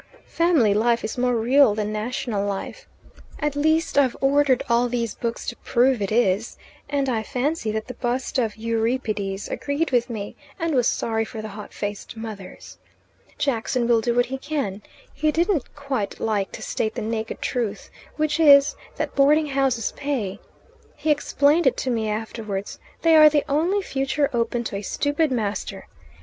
Family life is more real than national life at least I've ordered all these books to prove it is and I fancy that the bust of Euripides agreed with me, and was sorry for the hot faced mothers. Jackson will do what he can. He didn't quite like to state the naked truth which is, that boardinghouses pay. He explained it to me afterwards: they are the only, future open to a stupid master.